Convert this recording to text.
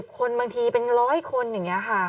คนบางทีเป็น๑๐๐คนอย่างนี้ค่ะ